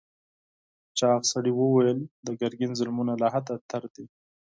چاغ سړي وویل د ګرګین ظلمونه له حده تېر دي.